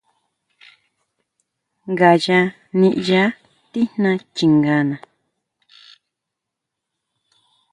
Ngaya niʼya tijná chingana.